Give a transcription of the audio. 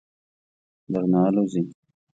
درنه آلوځي.